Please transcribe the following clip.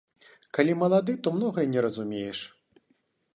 Калі малады, то многае не разумееш.